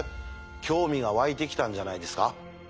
興味が湧いてきたんじゃないですか？